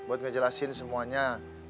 untuk menjelaskan semuanya